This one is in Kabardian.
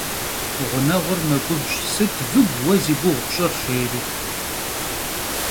Гъунэгъур мэгубжь, сыт выгу уэ зи гугъу пщӀыр, жери.